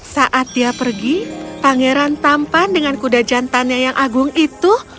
saat dia pergi pangeran tampan dengan kuda jantannya yang agung itu